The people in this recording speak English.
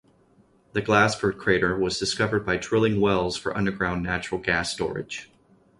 The Glasford crater was discovered by drilling wells for underground natural gas storage.